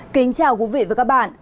kính chào quý vị và các bạn